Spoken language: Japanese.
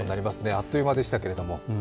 あっという間でしたけれども。